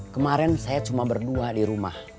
kemarin saya cuma berdua di rumah